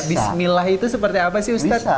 bismillah itu seperti apa sih ustadz